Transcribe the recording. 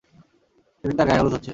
সেদিন তার গায়ে হলুদ হচ্ছে।